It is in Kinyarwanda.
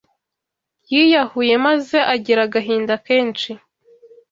yiyahuye, maze agira agahinda kenshi